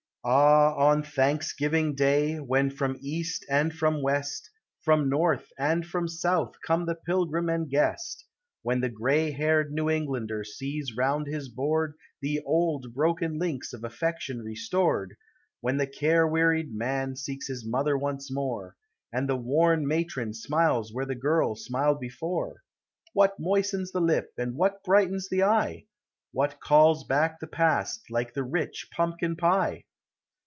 271 Ah! on Thanksgiving Day, when from East and from West, From North and from South come the pilgrim and guest, When the gray haired Xew Imglander sees round his board The old broken links of affection restored, When the rare wearied man seeks his mother once more, And the worn matron smiles where the girl smiled before, What moistens the lip and what brightens the eve? What calls back the past, like the rich pumpkin pie?